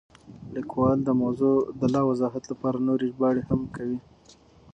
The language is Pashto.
لیکوال د موضوع د لا وضاحت لپاره نورې ژباړې هم کوي.